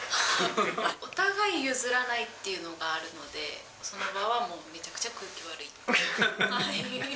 お互い譲らないっていうのがあるので、その場はもう、めちゃくちゃ空気悪い。